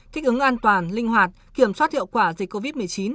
thích ứng an toàn linh hoạt kiểm soát hiệu quả dịch covid một mươi chín